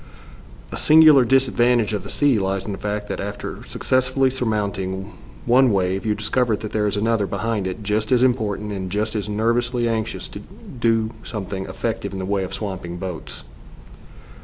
A singular disadvantage of the sea lies in the fact that after successfully surmounting one wave you discover that there is another behind it just as important and just as nervously anxious to do something effective in the way of swamping boats.